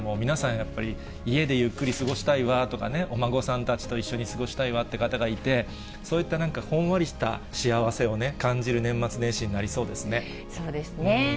やっぱり、家でゆっくり過ごしたいわとかね、お孫さんたちと一緒に過ごしたいわって方がいて、そういったほんわりした幸せをそうですね。